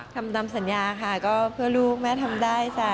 ทำตามสัญญาค่ะก็เพื่อลูกแม่ทำได้จ้ะ